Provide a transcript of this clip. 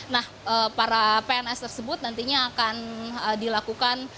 nah para pns tersebut nantinya akan dilakukan